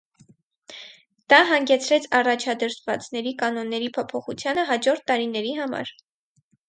Դա հանգեցրեց առաջադրվածների կանոնների փոփոխությանը հաջորդ տարիների համար։